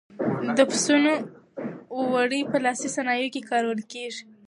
د پسونو وړۍ په لاسي صنایعو کې کارول کېږي.